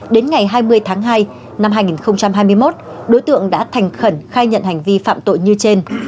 đến ngày hai mươi tháng hai năm hai nghìn hai mươi một đối tượng đã thành khẩn khai nhận hành vi phạm tội như trên